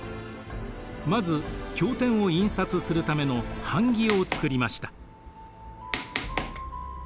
まず経典を印刷するための版木を作りました。